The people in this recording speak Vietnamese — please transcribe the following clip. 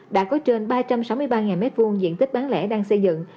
đã có trên ba trăm sáu mươi ba m hai diện tích bản lệ đang xây dựng